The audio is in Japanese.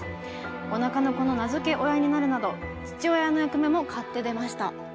おなかの子の名付け親になるなど父親の役目も買って出ました。